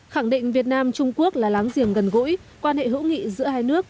khẳng định việt nam trung quốc là láng giềng gần gũi quan hệ hữu nghị giữa hai nước